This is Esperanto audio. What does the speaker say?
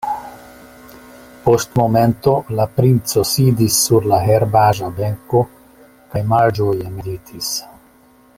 Post momento la princo sidis sur la herbaĵa benko kaj malĝoje meditis.